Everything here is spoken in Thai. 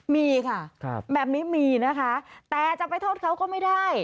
มีค่ะแบบนี้มีนะคะแต่จะไปโทษเขาก็ไม่ได้